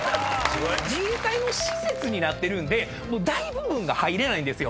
自衛隊施設になってるんで大部分が入れないんですよ。